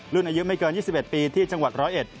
อายุไม่เกิน๒๑ปีที่จังหวัดร้อยเอ็ด